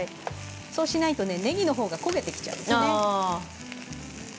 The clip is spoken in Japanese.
そうしないと、ねぎのほうが焦げてしまうんですね。